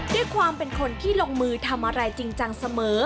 ด้วยความเป็นคนที่ลงมือทำอะไรจริงจังเสมอ